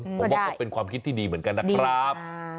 ผมว่าก็เป็นความคิดที่ดีเหมือนกันนะครับ